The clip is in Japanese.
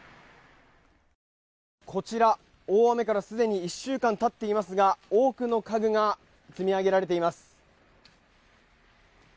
こちら、大雨からすでに１週間たっていますが多くの家具が積み上げられています。